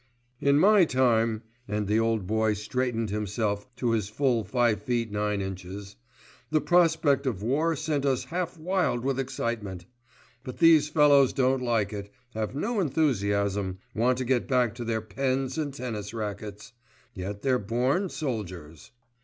"In my time," and the old boy straightened himself to his full five feet nine inches, "the prospect of war sent us half wild with excitement; but these fellows don't like it, have no enthusiasm, want to get back to their pens and tennis rackets; yet they're born soldiers.